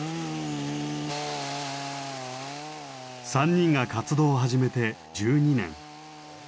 ３人が活動を始めて１２年。